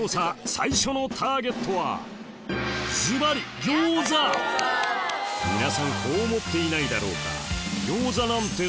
最初のターゲットはズバリ皆さんこう思っていないだろうか